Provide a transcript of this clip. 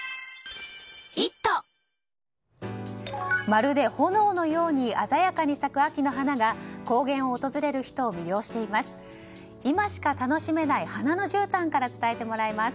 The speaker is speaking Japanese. まるで炎のように鮮やかに咲く秋の花が高原を訪れる人を魅了しています。